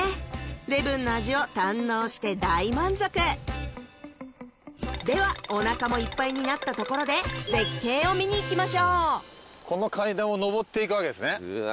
礼文の味を堪能して大満足ではおなかもいっぱいになったところで絶景を見に行きましょうこの階段を登っていくわけですねうわ